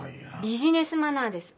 ビジネスマナーです